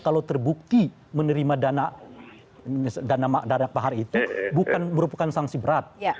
kalau terbukti menerima dana mahar itu bukan merupakan sanksi berat